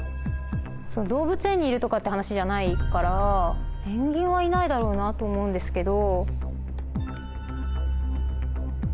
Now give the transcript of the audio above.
動物園にいるとかって話じゃないからペンギンはいないだろうなと思うんですけど。